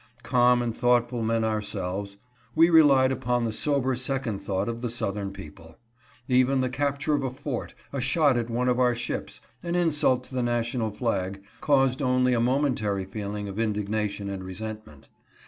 Calm and thoughtful men ourselves, we relied upon the sober second thought of the southern people. Even the capture of a fort, a shot at one of our ships — an insult to the national flag — caused only a momentary feeling of indignation and resentment.